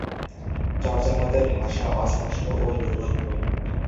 চর্যাপদের ভাষা অস্পষ্ট ও দুর্বোধ্য।